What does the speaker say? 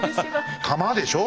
玉でしょ。